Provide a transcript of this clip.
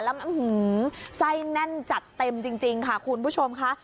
แล้วไส้แน่นจัดเต็มจริงค่ะคุณผู้ชมค่ะ